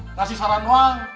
ngasih saran uang